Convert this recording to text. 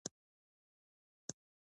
ګرانه مه ګرځه د شپې، وخت د فساد دي کښې بوځې